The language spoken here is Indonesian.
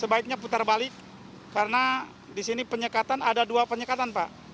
sebaiknya putar balik karena di sini penyekatan ada dua penyekatan pak